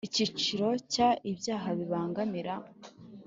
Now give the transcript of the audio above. Icyiciro cya Ibyaha bibangamira